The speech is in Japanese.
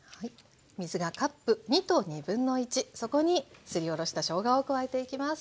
そこにすりおろしたしょうがを加えていきます。